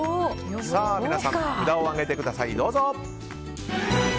皆さん、札を上げてください。